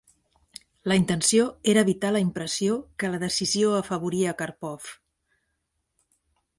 La intenció era evitar la impressió que la decisió afavoria Karpov.